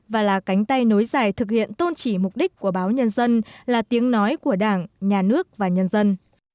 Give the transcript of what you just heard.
và là cánh tay nối dài thực hiện tôn trị mục đích của báo nhân dân là tiếng nói của đảng nhà nước và nhân dân